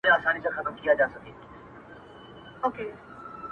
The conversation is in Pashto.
زما د زړه گلونه ساه واخلي.